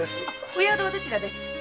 お宿はどちらで？